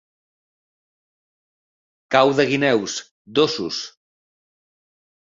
Cau de guineus, d' ossos.